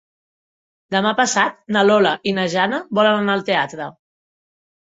Demà passat na Lola i na Jana volen anar al teatre.